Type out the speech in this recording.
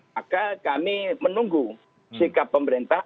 maka kami menunggu sikap pemerintah